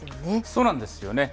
そうなんですよね。